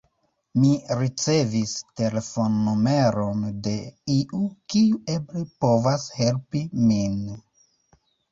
Mi ricevis telefonnumeron de iu, kiu eble povas helpi min.